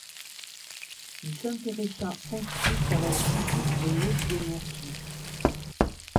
Il s'intéressa ensuite à la physique des hautes énergies.